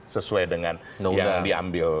sesuai dengan yang diambil